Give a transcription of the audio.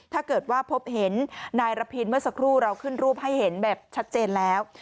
ถ้าเกิดว่าพบเห็นนายระพินเมื่อสักครู่เราขึ้นรูปให้เห็นแบบชัดเจนแล้ว